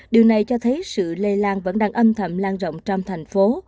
điều này cho thấy sự lây lan vẫn đang âm thầm lan rộng trong thành phố